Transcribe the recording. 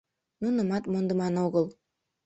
Нунымат мондыман огыл.